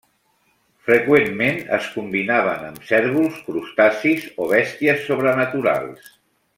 Freqüentment es combinaven amb cérvols, crustacis o bèsties sobrenaturals.